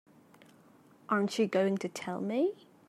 Aren't you going to tell me?